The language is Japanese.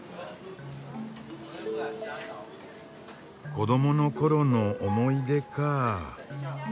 子どもの頃の思い出かぁ。